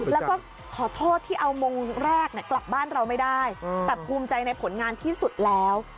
แล้วก็ขอโทษที่เอามงแรกกลับบ้านเราไม่ได้แต่ภูมิใจในผลงานที่สุดแล้ว